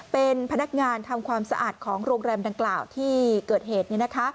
เป็นพนักงานทำความสะอาดของโรงแรมดังกล่าวที่เกิดเหตุ